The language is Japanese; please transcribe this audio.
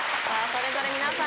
それぞれ皆さん